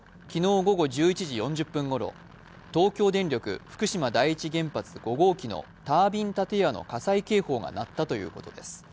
きのう午後１１時４０分ごろ、東京電力福島第１原発５号機のタービン建屋の火災警報が鳴ったということです。